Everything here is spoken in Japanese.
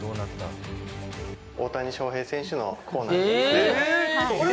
大谷翔平選手のコーナー。